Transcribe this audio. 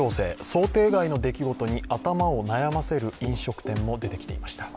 想定外の出来事に頭を悩ませる飲食店も出てきていました。